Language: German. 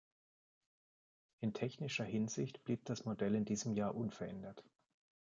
In technischer Hinsicht blieb das Modell in diesem Jahr unverändert.